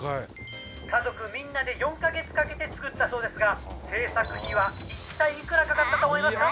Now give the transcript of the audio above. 家族みんなで４カ月かけて作ったそうですが制作費は一体いくらかかったと思いますか？